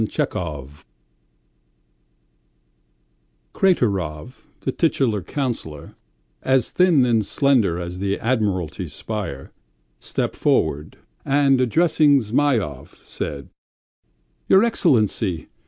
... THE ALBUM KRATEROV, the titular councillor, as thin and slender as the Admiralty spire, stepped forward and, addressing Zhmyhov, said: "Your Excellency!